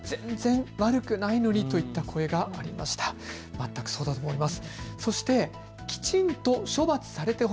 全くそうだと思います。